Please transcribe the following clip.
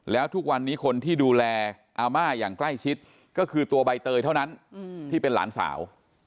แล้วทุกวันนี้คนที่ดูแลอาม่าอย่างใกล้ชิดก็คือตัวใบเตยเท่านั้นที่เป็นหลานสาว